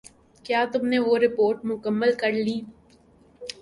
کیا تم نے وہ رپورٹ مکمل کر لی؟